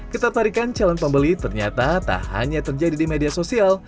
ketatarikan calon pembeli ternyata tak hanya terjadi di media sosial